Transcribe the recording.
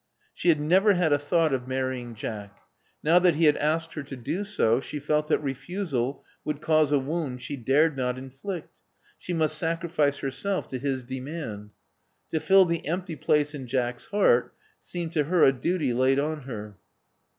She had never had a thought of marrying Jack. Now that he had asked her to do so, she felt that refusal would cause a wound she dared not inflict: she must sacrifice herself to his demand. To fill the empty place in Jack's heart seemed to her a duty laid on her.